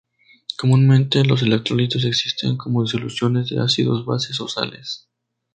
Comúnmente, los electrolitos existen como disoluciones de ácidos, bases o sales.